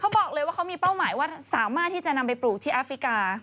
บอกเลยว่าเขามีเป้าหมายว่าสามารถที่จะนำไปปลูกที่แอฟริกา